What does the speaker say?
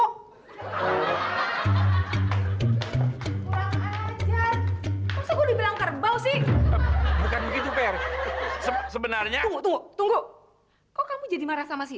maksudnya bilang terbaik sih sebenarnya tunggu tunggu kok kamu jadi marah sama si